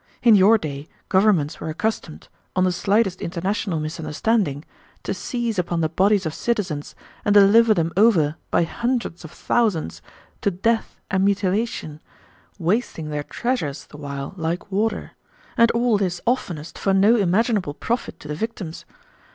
In your day governments were accustomed, on the slightest international misunderstanding, to seize upon the bodies of citizens and deliver them over by hundreds of thousands to death and mutilation, wasting their treasures the while like water; and all this oftenest for no imaginable profit to the victims.